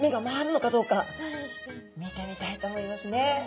見てみたいと思いますね。